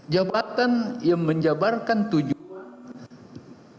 jabatan yang menjabarkan tujuan